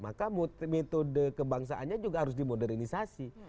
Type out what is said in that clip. maka metode kebangsaannya juga harus dimodernisasi